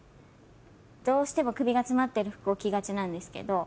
どうしても首が詰まってる服を着がちなんですけど。